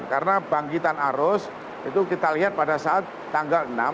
karena bangkitan arus itu kita lihat pada saat tanggal enam